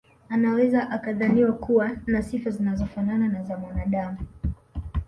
Anaweza akadhaniwa kuwa na sifa zinazofanana na za mwanaadamu